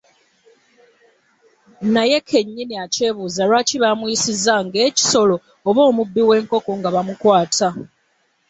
Naye kennyini akyebuuza lwaki baamuyisizza ng’ekisolo oba omubbi w’enkoko nga bamukwata.